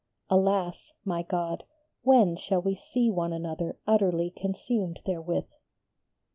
Alas! my God, when shall we see one another utterly consumed therewith?